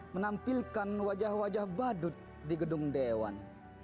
menampilkan wajah wajah badut di gedung dewan